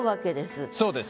そうです。